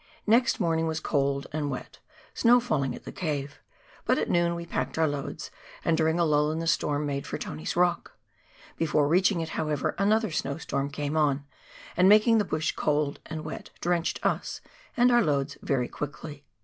Next morning was cold and wet — snow fall ing at the cave — but at noon we packed our loads, and during a lull in the storm, made for Tony's Rock. Before reaching it, however, another snow storm came on, and, making the bush cold and wet, drenched us and our loads very quickly.